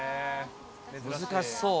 難しそう。